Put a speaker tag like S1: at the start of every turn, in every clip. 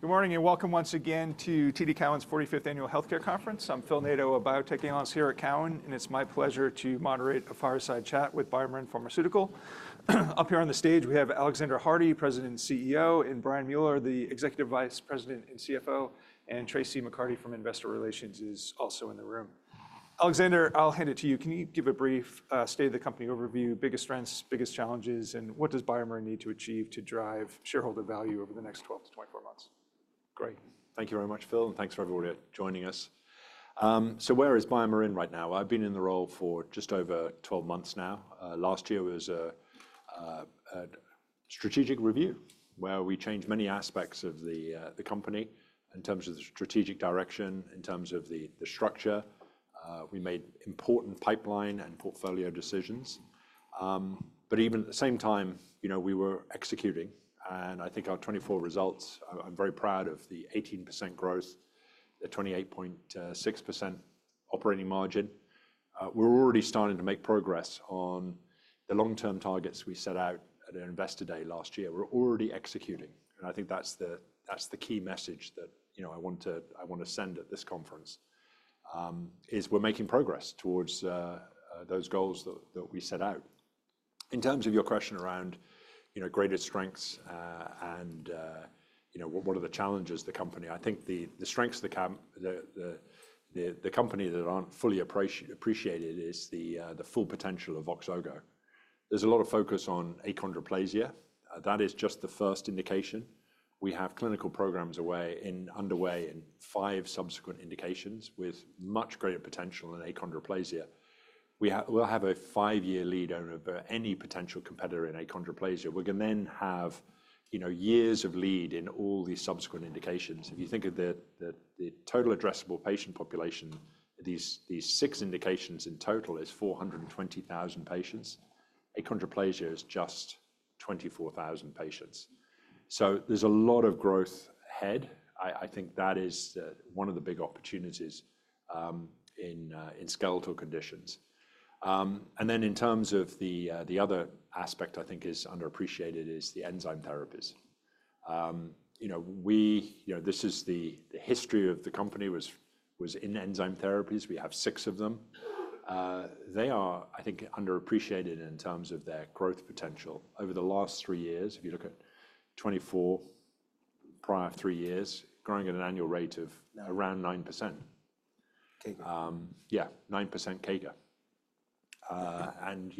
S1: Good morning and welcome once again to TD Cowen's 45th Annual Healthcare conference. I'm Phil Nadeau, a Biotech Analyst here at Cowen, and it's my pleasure to moderate a fireside chat with BioMarin Pharmaceutical. Up here on the stage, we have Alexander Hardy, President and CEO, and Brian Mueller, the Executive Vice President and CFO, and Traci McCarty from Investor Relations is also in the room. Alexander, I'll hand it to you. Can you give a brief state-of-the-company overview, biggest strengths, biggest challenges, and what does BioMarin need to achieve to drive shareholder value over the next 12 to 24 months?
S2: Great. Thank you very much, Phil, and thanks for everybody joining us. So where is BioMarin right now? I've been in the role for just over 12 months now. Last year was a strategic review where we changed many aspects of the company in terms of the strategic direction, in terms of the structure. We made important pipeline and portfolio decisions. But even at the same time, we were executing, and I think our 2024 results. I'm very proud of the 18% growth, the 28.6% operating margin. We're already starting to make progress on the long-term targets we set out at Investor Day last year. We're already executing, and I think that's the key message that I want to send at this conference: we're making progress towards those goals that we set out. In terms of your question around greatest strengths and what are the challenges of the company, I think the strengths of the company that aren't fully appreciated is the full potential of Voxzogo. There's a lot of focus on achondroplasia. That is just the first indication. We have clinical programs underway in five subsequent indications with much greater potential in achondroplasia. We'll have a five-year lead over any potential competitor in achondroplasia. We can then have years of lead in all these subsequent indications. If you think of the total addressable patient population, these six indications in total is 420,000 patients. Achondroplasia is just 24,000 patients. So there's a lot of growth ahead. I think that is one of the big opportunities in skeletal conditions. And then in terms of the other aspect I think is underappreciated is the enzyme therapies. This is the history of the company was in enzyme therapies. We have six of them. They are, I think, underappreciated in terms of their growth potential over the last three years. If you look at the prior three years, growing at an annual rate of around 9%. Yeah, 9% CAGR. And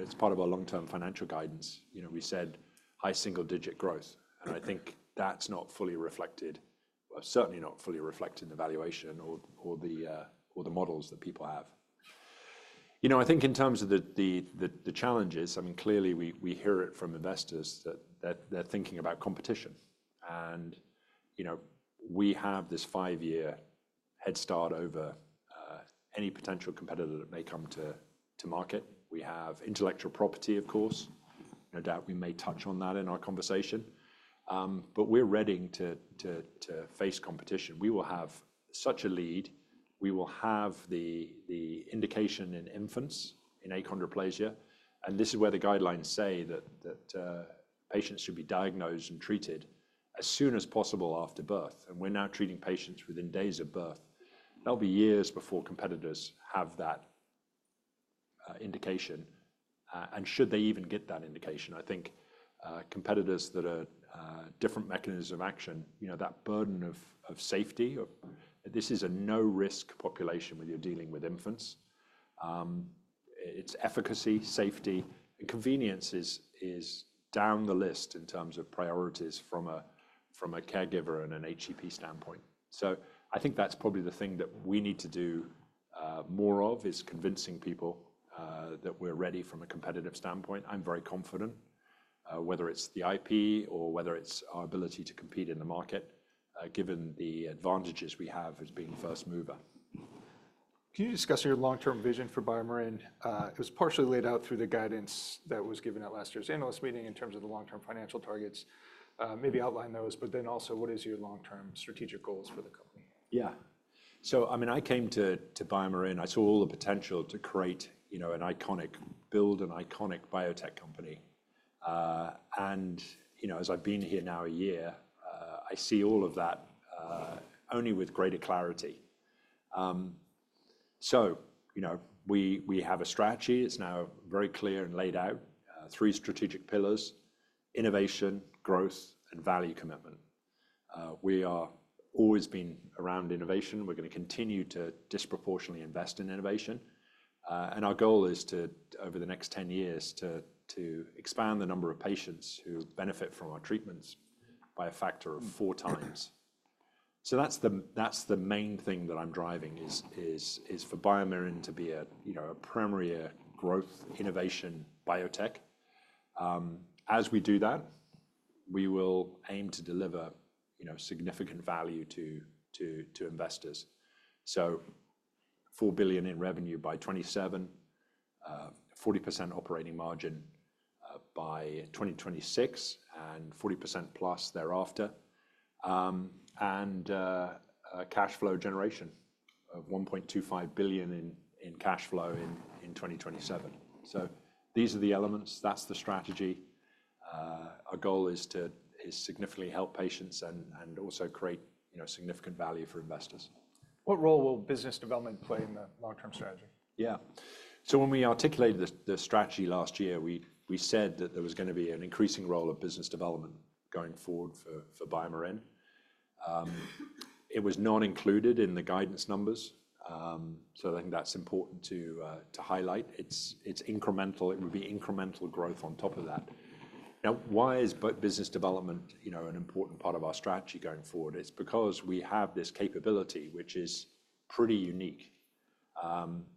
S2: it's part of our long-term financial guidance. We said high single-digit growth, and I think that's not fully reflected, certainly not fully reflected in the valuation or the models that people have. I think in terms of the challenges, I mean, clearly we hear it from investors that they're thinking about competition. And we have this five-year head start over any potential competitor that may come to market. We have intellectual property, of course. No doubt we may touch on that in our conversation. But we're ready to face competition. We will have such a lead. We will have the indication in infants in achondroplasia, and this is where the guidelines say that patients should be diagnosed and treated as soon as possible after birth, and we're now treating patients within days of birth. That'll be years before competitors have that indication, and should they even get that indication, I think competitors that are different mechanisms of action, that burden of safety, this is a no-risk population when you're dealing with infants. It's efficacy, safety, and convenience is down the list in terms of priorities from a caregiver and an HCP standpoint, so I think that's probably the thing that we need to do more of is convincing people that we're ready from a competitive standpoint. I'm very confident, whether it's the IP or whether it's our ability to compete in the market, given the advantages we have as being the first mover.
S1: Can you discuss your long-term vision for BioMarin? It was partially laid out through the guidance that was given at last year's analyst meeting in terms of the long-term financial targets. Maybe outline those, but then also what is your long-term strategic goals for the company?
S2: Yeah. So I mean, I came to BioMarin, I saw all the potential to create an iconic build, an iconic biotech company, and as I've been here now a year, I see all of that only with greater clarity, so we have a strategy. It's now very clear and laid out: three strategic pillars, innovation, growth, and value commitment. We are always been around innovation. We're going to continue to disproportionately invest in innovation, and our goal is, over the next 10 years, to expand the number of patients who benefit from our treatments by a factor of four times, so that's the main thing that I'm driving is for BioMarin to be a premier growth innovation biotech. As we do that, we will aim to deliver significant value to investors. $4 billion in revenue by 2027, 40% operating margin by 2026, and 40%+ thereafter, and cash flow generation of $1.25 billion in cash flow in 2027. These are the elements. That's the strategy. Our goal is to significantly help patients and also create significant value for investors.
S1: What role will business development play in the long-term strategy?
S2: Yeah. So when we articulated the strategy last year, we said that there was going to be an increasing role of business development going forward for BioMarin. It was not included in the guidance numbers. So I think that's important to highlight. It's incremental. It would be incremental growth on top of that. Now, why is business development an important part of our strategy going forward? It's because we have this capability, which is pretty unique.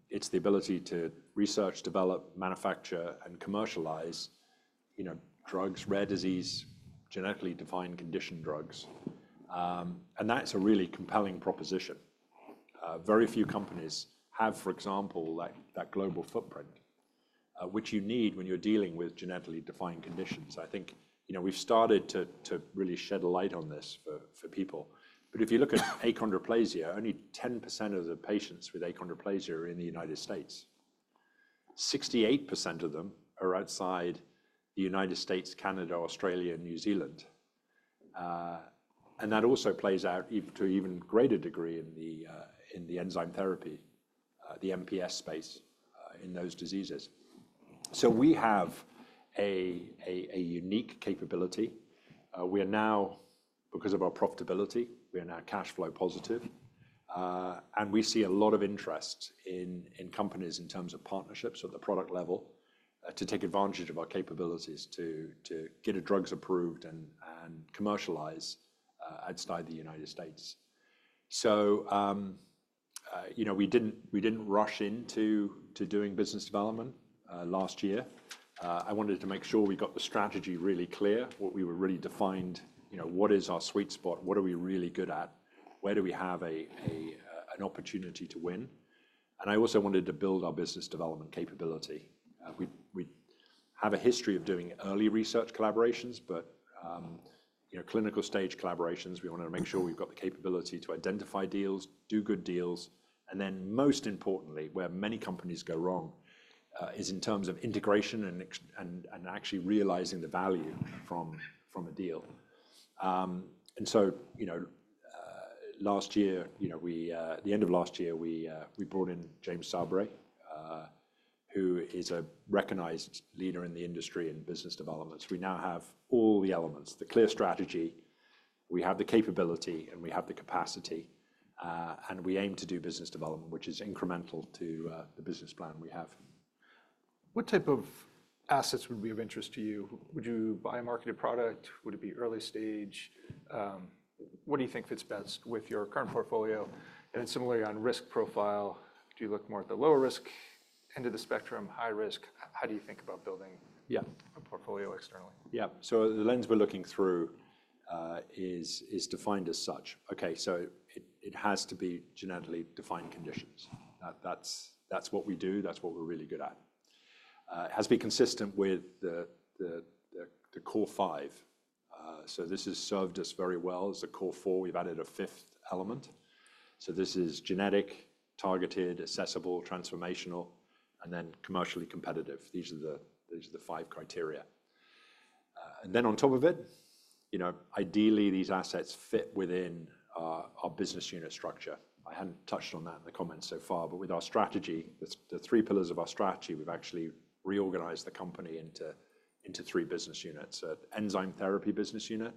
S2: It's the ability to research, develop, manufacture, and commercialize drugs, rare disease, genetically defined condition drugs. And that's a really compelling proposition. Very few companies have, for example, that global footprint, which you need when you're dealing with genetically defined conditions. I think we've started to really shed light on this for people. But if you look at achondroplasia, only 10% of the patients with achondroplasia are in the United States. 68% of them are outside the United States, Canada, Australia, and New Zealand, and that also plays out to an even greater degree in the enzyme therapy, the MPS space in those diseases, so we have a unique capability. We are now, because of our profitability, we are now cash flow positive, and we see a lot of interest in companies in terms of partnerships at the product level to take advantage of our capabilities to get drugs approved and commercialize outside the United States, so we didn't rush into doing business development last year. I wanted to make sure we got the strategy really clear, what we were really defined, what is our sweet spot, what are we really good at, where do we have an opportunity to win, and I also wanted to build our business development capability. We have a history of doing early research collaborations, but clinical stage collaborations, we wanted to make sure we've got the capability to identify deals, do good deals. And then most importantly, where many companies go wrong is in terms of integration and actually realizing the value from a deal. And so last year, at the end of last year, we brought in James Sabry, who is a recognized leader in the industry in business development. We now have all the elements, the clear strategy. We have the capability, and we have the capacity. And we aim to do business development, which is incremental to the business plan we have.
S1: What type of assets would be of interest to you? Would you buy a marketed product? Would it be early stage? What do you think fits best with your current portfolio? And similarly on risk profile, do you look more at the lower risk end of the spectrum, high risk? How do you think about building a portfolio externally?
S2: Yeah. So the lens we're looking through is defined as such. Okay, so it has to be genetically defined conditions. That's what we do. That's what we're really good at. It has to be consistent with the core five. So this has served us very well as a core four. We've added a fifth element. So this is genetic, targeted, accessible, transformational, and then commercially competitive. These are the five criteria. And then on top of it, ideally, these assets fit within our business unit structure. I hadn't touched on that in the comments so far, but with our strategy, the three pillars of our strategy, we've actually reorganized the company into three business units: an enzyme therapy business unit,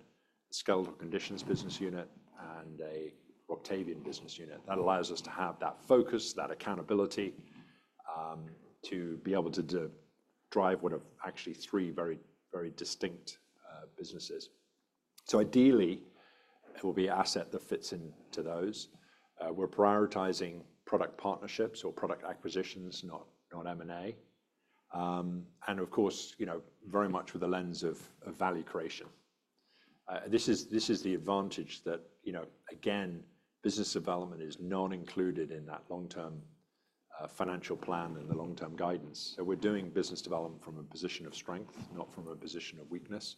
S2: a skeletal conditions business unit, and a Roctavian business unit. That allows us to have that focus, that accountability to be able to drive what are actually three very distinct businesses. So ideally, it will be an asset that fits into those. We're prioritizing product partnerships or product acquisitions, not M&A. And of course, very much with a lens of value creation. This is the advantage that, again, business development is not included in that long-term financial plan and the long-term guidance. So we're doing business development from a position of strength, not from a position of weakness.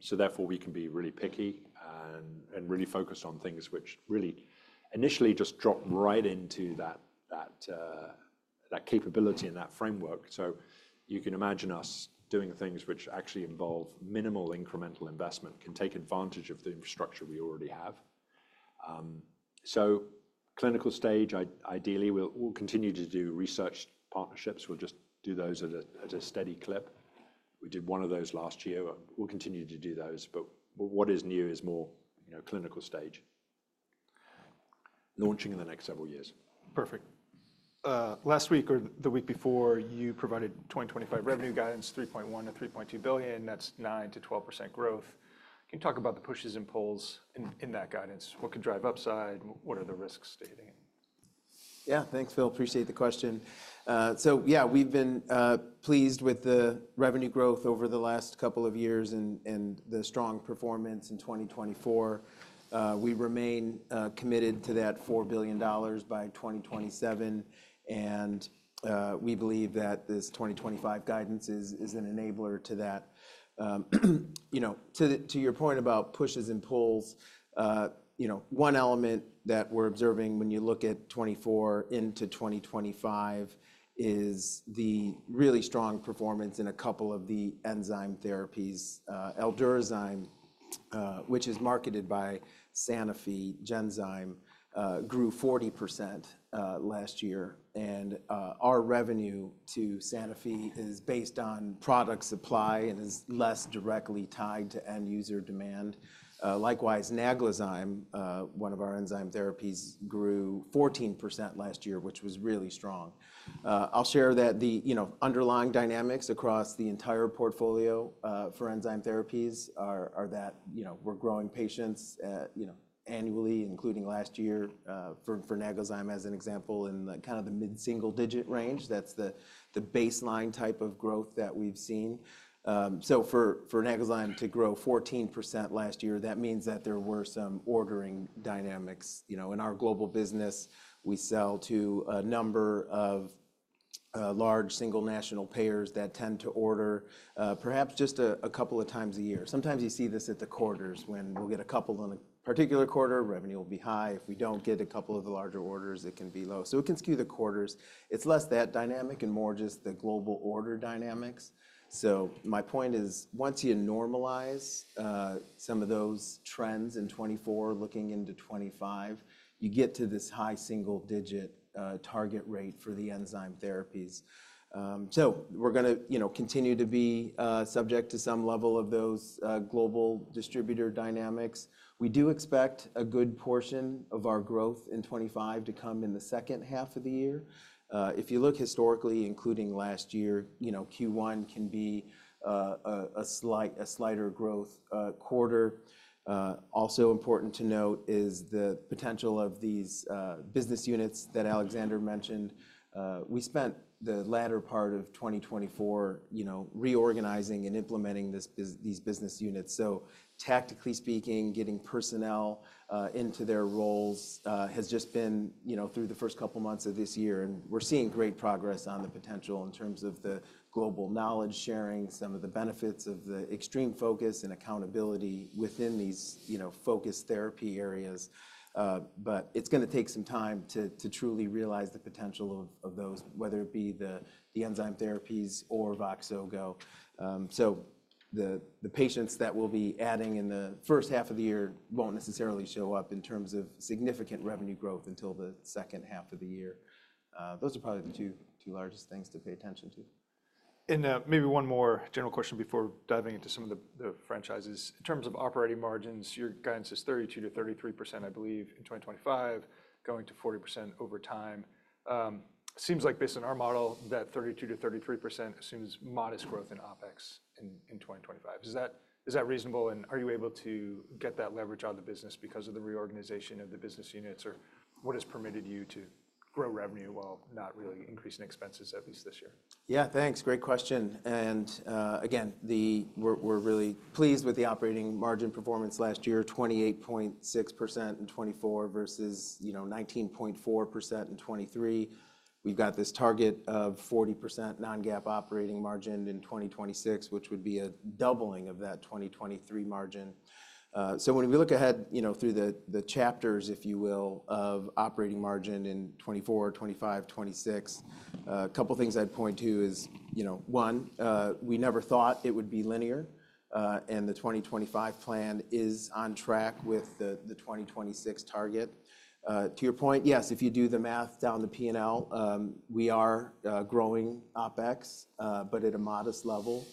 S2: So therefore, we can be really picky and really focused on things which really initially just drop right into that capability and that framework. So you can imagine us doing things which actually involve minimal incremental investment, can take advantage of the infrastructure we already have. So clinical stage, ideally, we'll continue to do research partnerships. We'll just do those at a steady clip. We did one of those last year. We'll continue to do those. But what is new is more clinical stage, launching in the next several years.
S1: Perfect. Last week or the week before, you provided 2025 revenue guidance, $3.1 billion-$3.2 billion. That's 9%-12% growth. Can you talk about the pushes and pulls in that guidance? What could drive upside? What are the risks to hitting it?
S3: Yeah, thanks, Phil. Appreciate the question. So yeah, we've been pleased with the revenue growth over the last couple of years and the strong performance in 2024. We remain committed to that $4 billion by 2027. And we believe that this 2025 guidance is an enabler to that. To your point about pushes and pulls, one element that we're observing when you look at 2024 into 2025 is the really strong performance in a couple of the enzyme therapies, Aldurazyme, which is marketed by Sanofi Genzyme, grew 40% last year. And our revenue to Sanofi is based on product supply and is less directly tied to end user demand. Likewise, Naglazyme, one of our enzyme therapies, grew 14% last year, which was really strong. I'll share that the underlying dynamics across the entire portfolio for enzyme therapies are that we're growing patients annually, including last year for Naglazyme, as an example, in kind of the mid-single digit range. That's the baseline type of growth that we've seen. So for Naglazyme to grow 14% last year, that means that there were some ordering dynamics. In our global business, we sell to a number of large single national payers that tend to order perhaps just a couple of times a year. Sometimes you see this at the quarters. When we'll get a couple in a particular quarter, revenue will be high. If we don't get a couple of the larger orders, it can be low. So it can skew the quarters. It's less that dynamic and more just the global order dynamics. My point is, once you normalize some of those trends in 2024, looking into 2025, you get to this high single digit target rate for the enzyme therapies. We're going to continue to be subject to some level of those global distributor dynamics. We do expect a good portion of our growth in 2025 to come in the second half of the year. If you look historically, including last year, Q1 can be a slighter growth quarter. Also important to note is the potential of these business units that Alexander mentioned. We spent the latter part of 2024 reorganizing and implementing these business units. Tactically speaking, getting personnel into their roles has just been through the first couple of months of this year. We're seeing great progress on the potential in terms of the global knowledge sharing, some of the benefits of the extreme focus and accountability within these focus therapy areas, but it's going to take some time to truly realize the potential of those, whether it be the enzyme therapies or Voxzogo, so the patients that we'll be adding in the first half of the year won't necessarily show up in terms of significant revenue growth until the second half of the year. Those are probably the two largest things to pay attention to.
S1: And maybe one more general question before diving into some of the franchises. In terms of operating margins, your guidance is 32%-33%, I believe, in 2025, going to 40% over time. Seems like based on our model, that 32%-33% assumes modest growth in OpEx in 2025. Is that reasonable? And are you able to get that leverage out of the business because of the reorganization of the business units or what has permitted you to grow revenue while not really increasing expenses, at least this year?
S3: Yeah, thanks. Great question, and again, we're really pleased with the operating margin performance last year, 28.6% in 2024 versus 19.4% in 2023. We've got this target of 40% non-GAAP operating margin in 2026, which would be a doubling of that 2023 margin. When we look ahead through the chapters, if you will, of operating margin in 2024, 2025, 2026, a couple of things I'd point to is, one, we never thought it would be linear, and the 2025 plan is on track with the 2026 target. To your point, yes, if you do the math down the P&L, we are growing OpEx, but at a modest level.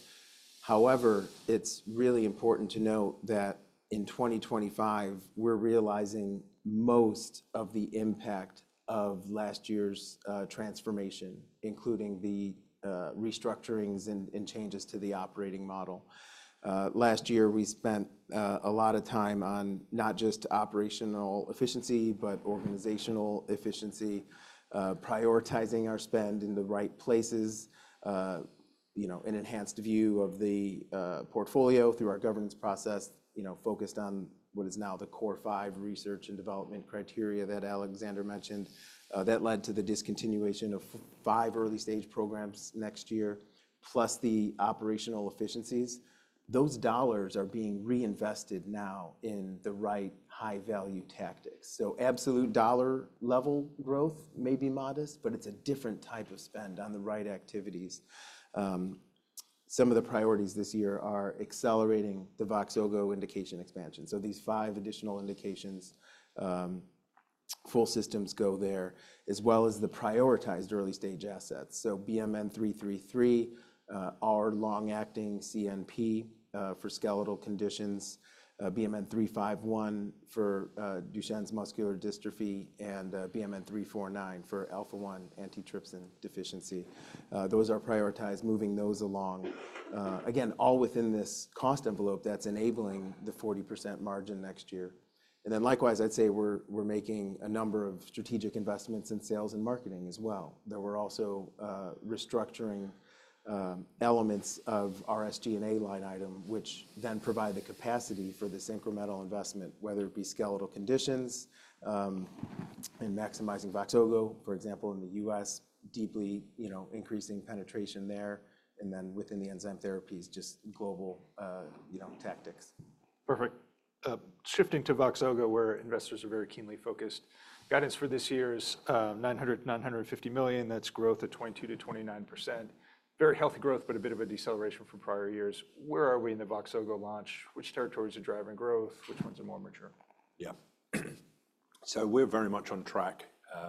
S3: However, it's really important to note that in 2025, we're realizing most of the impact of last year's transformation, including the restructurings and changes to the operating model. Last year, we spent a lot of time on not just operational efficiency, but organizational efficiency, prioritizing our spend in the right places, an enhanced view of the portfolio through our governance process, focused on what is now the core five research and development criteria that Alexander mentioned that led to the discontinuation of five early stage programs next year, plus the operational efficiencies. Those dollars are being reinvested now in the right high-value tactics, so absolute dollar level growth may be modest, but it's a different type of spend on the right activities. Some of the priorities this year are accelerating the Voxzogo indication expansion, so these five additional indications, full systems go there, as well as the prioritized early stage assets, so BMN 333, our long-acting CNP for skeletal conditions, BMN 351 for Duchenne's muscular dystrophy, and BMN 349 for alpha-1 antitrypsin deficiency. Those are prioritized, moving those along. Again, all within this cost envelope that's enabling the 40% margin next year. And then likewise, I'd say we're making a number of strategic investments in sales and marketing as well. We're also restructuring elements of our SG&A line item, which then provide the capacity for this incremental investment, whether it be skeletal conditions and maximizing Voxzogo, for example, in the U.S., deeply increasing penetration there. And then within the enzyme therapies, just global tactics.
S1: Perfect. Shifting to Voxzogo, where investors are very keenly focused. Guidance for this year is $900 million-$950 million. That's growth at 22%-29%. Very healthy growth, but a bit of a deceleration from prior years. Where are we in the Voxzogo launch? Which territories are driving growth? Which ones are more mature?
S2: Yeah. So we're very much on track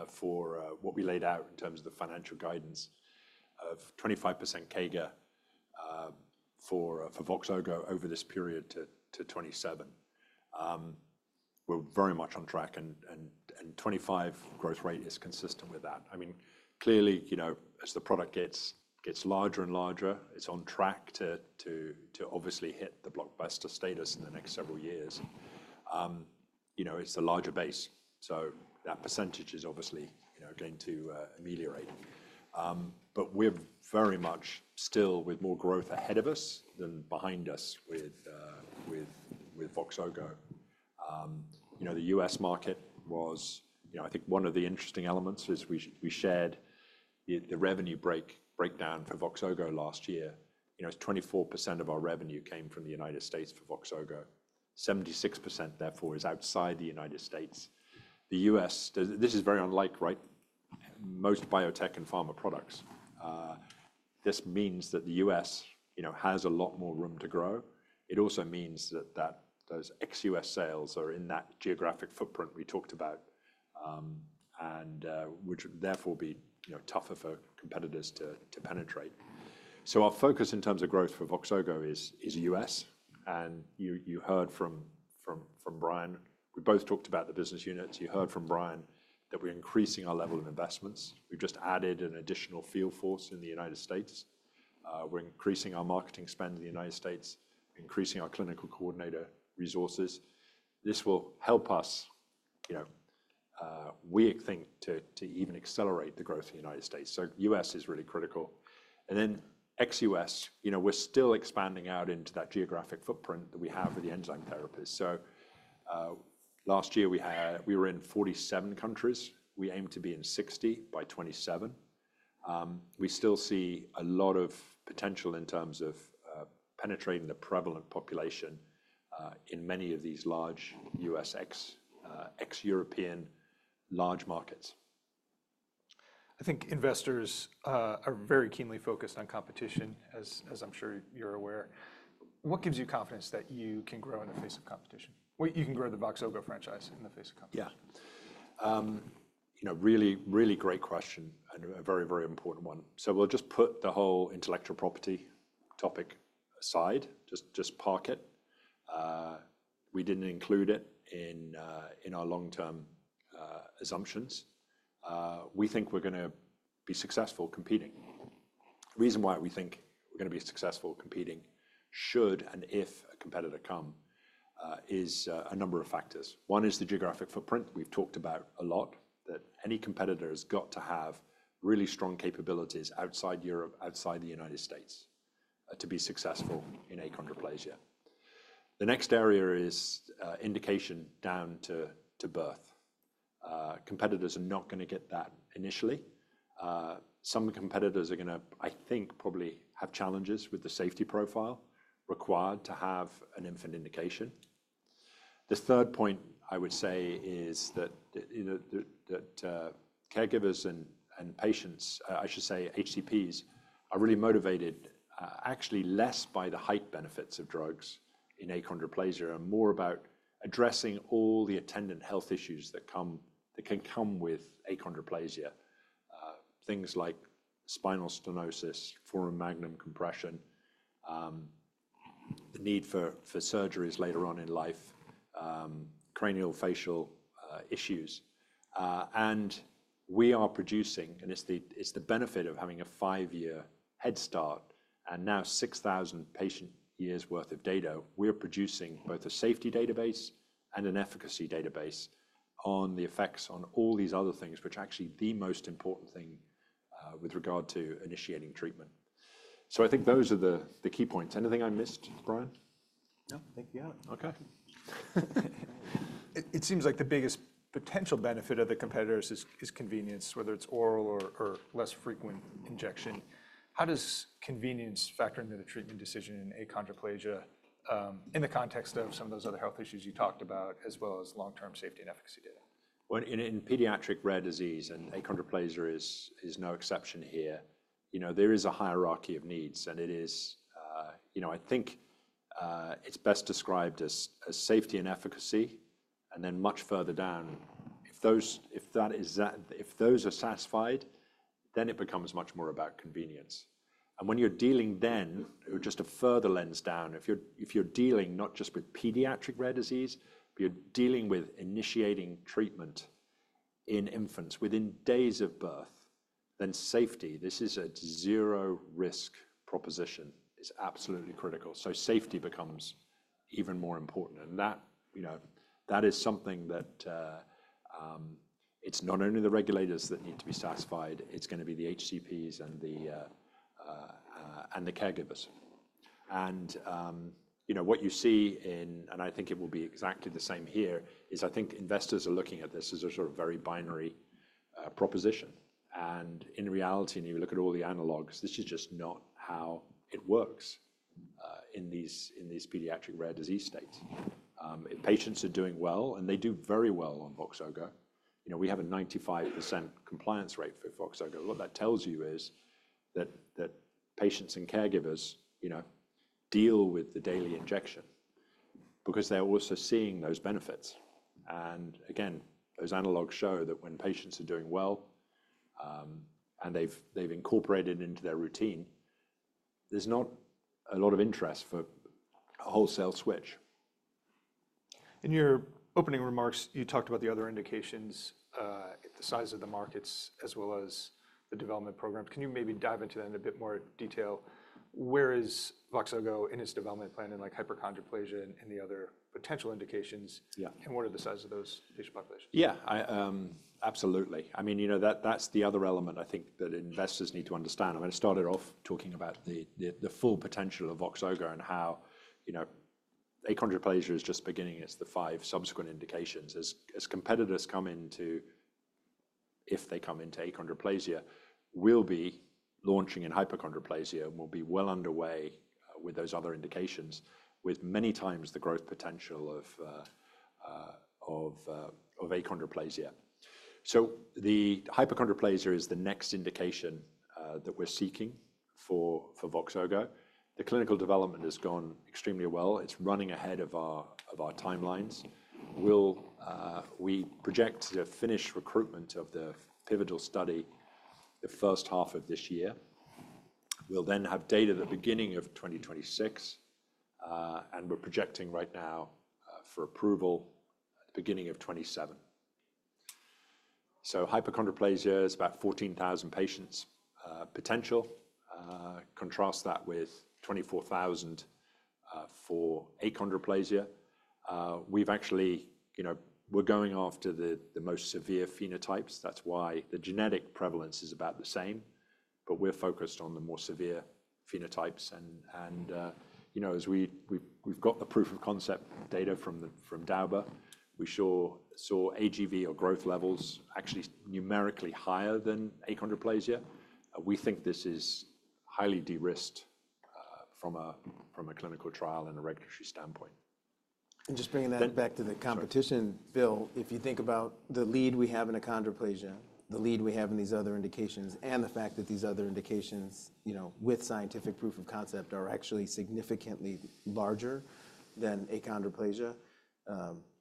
S2: for what we laid out in terms of the financial guidance of 25% CAGR for Voxzogo over this period to 2027. We're very much on track, and 2025 growth rate is consistent with that. I mean, clearly, as the product gets larger and larger, it's on track to obviously hit the blockbuster status in the next several years. It's a larger base. So that percentage is obviously going to moderate. But we're very much still with more growth ahead of us than behind us with Voxzogo. The U.S. market was, I think, one of the interesting elements is we shared the revenue breakdown for Voxzogo last year. 24% of our revenue came from the United States for Voxzogo. 76%, therefore, is outside the United States. The U.S., this is very unlike, right? Most biotech and pharma products. This means that the U.S. has a lot more room to grow. It also means that those ex-U.S. sales are in that geographic footprint we talked about, which would therefore be tougher for competitors to penetrate, so our focus in terms of growth for Voxzogo is U.S., and you heard from Brian. We both talked about the business units. You heard from Brian that we're increasing our level of investments. We've just added an additional field force in the United States. We're increasing our marketing spend in the United States, increasing our clinical coordinator resources. This will help us, we think, to even accelerate the growth in the United States, so U.S. is really critical, and then ex-U.S., we're still expanding out into that geographic footprint that we have with the enzyme therapies, so last year, we were in 47 countries. We aim to be in 60 by 2027. We still see a lot of potential in terms of penetrating the prevalent population in many of these large U.S., ex-European large markets.
S1: I think investors are very keenly focused on competition, as I'm sure you're aware. What gives you confidence that you can grow in the face of competition? You can grow the Voxzogo franchise in the face of competition.
S2: Yeah. Really, really great question and a very, very important one, so we'll just put the whole intellectual property topic aside, just park it. We didn't include it in our long-term assumptions. We think we're going to be successful competing. The reason why we think we're going to be successful competing, should a competitor come, is a number of factors. One is the geographic footprint. We've talked a lot about that any competitor has got to have really strong capabilities outside Europe, outside the United States, to be successful in achondroplasia. The next area is indication down to birth. Competitors are not going to get that initially. Some competitors are going to, I think, probably have challenges with the safety profile required to have an infant indication. The third point I would say is that caregivers and patients, I should say HCPs, are really motivated actually less by the height benefits of drugs in achondroplasia and more about addressing all the attendant health issues that can come with achondroplasia, things like spinal stenosis, foramen magnum compression, the need for surgeries later on in life, craniofacial issues. And we are producing, and it's the benefit of having a five-year head start and now 6,000 patient years' worth of data, we're producing both a safety database and an efficacy database on the effects on all these other things, which are actually the most important thing with regard to initiating treatment. So I think those are the key points. Anything I missed, Brian?
S3: No, I think we have it. Okay.
S1: It seems like the biggest potential benefit of the competitors is convenience, whether it's oral or less frequent injection. How does convenience factor into the treatment decision in achondroplasia in the context of some of those other health issues you talked about, as well as long-term safety and efficacy data?
S2: In pediatric rare disease, and achondroplasia is no exception here, there is a hierarchy of needs. I think it's best described as safety and efficacy. Then much further down, if those are satisfied, then it becomes much more about convenience. When you're dealing then, just a further lens down, if you're dealing not just with pediatric rare disease, but you're dealing with initiating treatment in infants within days of birth, then safety, this is a zero-risk proposition, is absolutely critical. Safety becomes even more important. That is something that it's not only the regulators that need to be satisfied, it's going to be the HCPs and the caregivers. What you see in, and I think it will be exactly the same here, is I think investors are looking at this as a sort of very binary proposition. And in reality, and you look at all the analogs, this is just not how it works in these pediatric rare disease states. If patients are doing well, and they do very well on Voxzogo, we have a 95% compliance rate for Voxzogo. What that tells you is that patients and caregivers deal with the daily injection because they're also seeing those benefits. And again, those analogs show that when patients are doing well and they've incorporated it into their routine, there's not a lot of interest for a wholesale switch.
S1: In your opening remarks, you talked about the other indications, the size of the markets, as well as the development programs. Can you maybe dive into that in a bit more detail? Where is Voxzogo in its development plan in hypochondroplasia and the other potential indications? And what are the size of those patient populations?
S2: Yeah, absolutely. I mean, that's the other element I think that investors need to understand. I'm going to start it off talking about the full potential of Voxzogo and how achondroplasia is just beginning as the five subsequent indications. As competitors come into, if they come into achondroplasia, we'll be launching in hypochondroplasia and we'll be well underway with those other indications, with many times the growth potential of achondroplasia. So the hypochondroplasia is the next indication that we're seeking for Voxzogo. The clinical development has gone extremely well. It's running ahead of our timelines. We project to finish recruitment of the pivotal study the first half of this year. We'll then have data at the beginning of 2026. And we're projecting right now for approval at the beginning of 2027. So hypochondroplasia is about 14,000 patients potential. Contrast that with 24,000 for achondroplasia. We're going after the most severe phenotypes. That's why the genetic prevalence is about the same. But we're focused on the more severe phenotypes. And as we've got the proof of concept data from Dauber, we saw AGV or growth levels actually numerically higher than achondroplasia. We think this is highly de-risked from a clinical trial and a regulatory standpoint.
S3: And just bringing that back to the competition, Phil, if you think about the lead we have in achondroplasia, the lead we have in these other indications, and the fact that these other indications with scientific proof of concept are actually significantly larger than achondroplasia,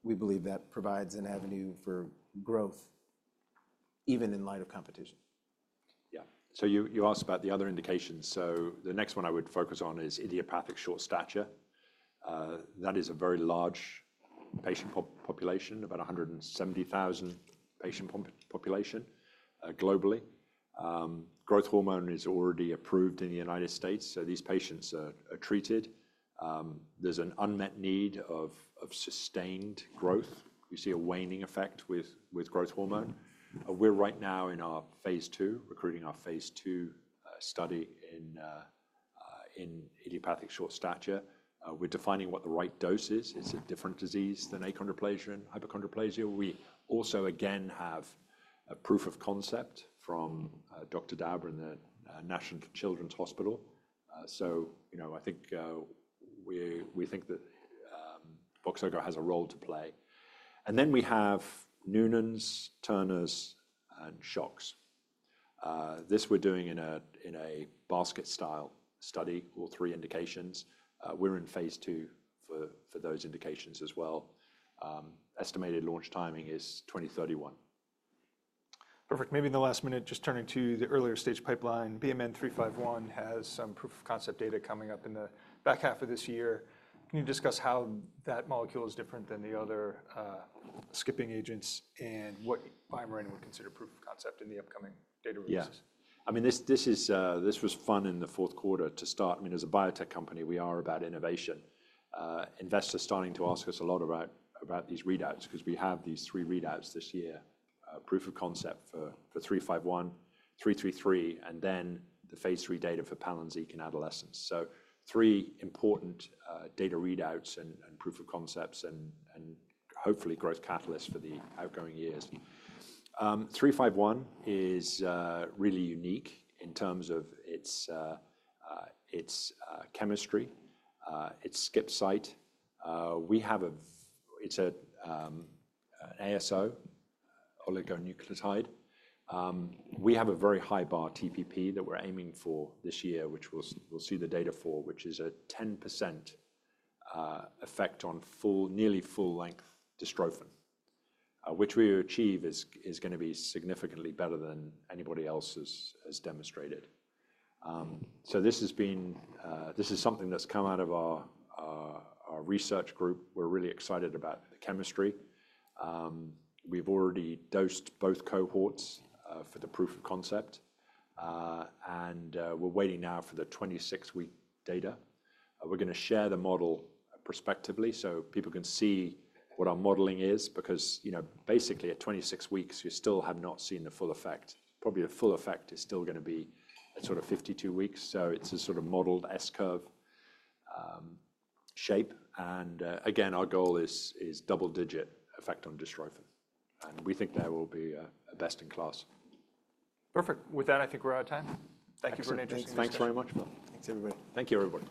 S3: we believe that provides an avenue for growth even in light of competition.
S2: Yeah, so you asked about the other indications. So the next one I would focus on is idiopathic short stature. That is a very large patient population, about 170,000 patient population globally. Growth hormone is already approved in the United States. So these patients are treated. There's an unmet need of sustained growth. You see a waning effect with growth hormone. We're right now in our phase II, recruiting our phase II study in idiopathic short stature. We're defining what the right dose is. It's a different disease than achondroplasia and hypochondroplasia. We also again have a proof of concept from Dr. Dauber in the Children's National Hospital. So I think we think that Voxzogo has a role to play. And then we have Noonans, Turners, and SHOX. This we're doing in a basket-style study, all three indications. We're in phase II for those indications as well. Estimated launch timing is 2031.
S1: Perfect. Maybe in the last minute, just turning to the earlier stage pipeline. BMN 351 has some proof of concept data coming up in the back half of this year. Can you discuss how that molecule is different than the other skipping agents and what BioMarin would consider proof of concept in the upcoming data releases?
S2: Yeah. I mean, this was fun in the fourth quarter to start. I mean, as a biotech company, we are about innovation. Investors are starting to ask us a lot about these readouts because we have these three readouts this year: proof of concept for 351, 333, and then the phase III data for Palynziq in adolescents. So three important data readouts and proof of concepts and hopefully growth catalysts for the upcoming years. 351 is really unique in terms of its chemistry, its skip site. It's an ASO, oligonucleotide. We have a very high bar TPP that we're aiming for this year, which we'll see the data for, which is a 10% effect on nearly full-length dystrophin, which we achieve is going to be significantly better than anybody else has demonstrated. So this is something that's come out of our research group. We're really excited about the chemistry. We've already dosed both cohorts for the proof of concept, and we're waiting now for the 26-week data. We're going to share the model prospectively so people can see what our modeling is because basically at 26 weeks, you still have not seen the full effect. Probably the full effect is still going to be at sort of 52 weeks, so it's a sort of modeled S-curve shape, and again, our goal is double-digit effect on dystrophin, and we think that will be a best in class.
S1: Perfect. With that, I think we're out of time. Thank you for an interesting discussion.
S2: Thanks very much, Phil.
S3: Thanks, everybody.
S2: Thank you, everybody.